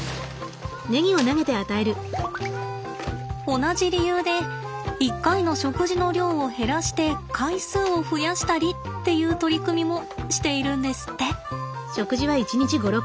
同じ理由で一回の食事の量を減らして回数を増やしたりっていう取り組みもしているんですって。